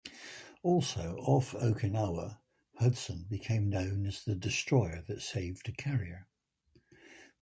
Also off Okinawa, "Hudson" became known as the "destroyer that saved a carrier".